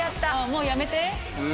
もうやめて。